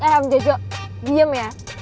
eh om jojo diem ya